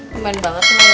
pemain banget sama gue dapah